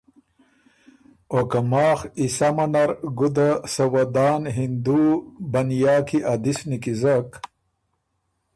او که ماخ ای سمه نر ګُده سۀ ودان هندو بنیا کی ا دِس نیکیزک